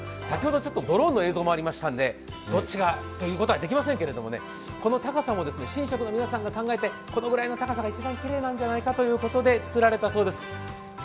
先ほどドローンの映像もありましたので、どっちがというのは言えませんけれども、この高さも神職の皆さんが考えてこのぐらいの高さが一番きれいなんじゃないかということで作られたそうです。